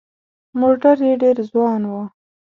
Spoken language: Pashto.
موټر یې ډېر ځوان و.